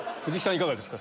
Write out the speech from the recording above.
いかがですか？